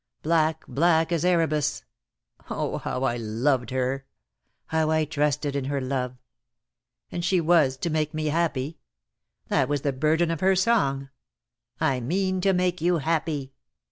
Black, black as Erebus. Oh, how I loved her! How I trusted in her love! And she was to make me happy! That was the burden of her song: 'I mean to make you happy.'